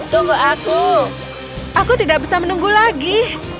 tunggu aku aku tidak bisa menunggu lagi